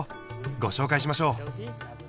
ご紹介しましょう。